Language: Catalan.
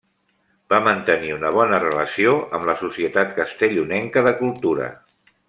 Va mantenir una bona relació amb la Societat Castellonenca de Cultura.